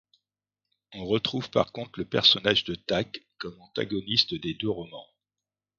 On retrouve par contre le personnage de Tak comme antagoniste des deux romans.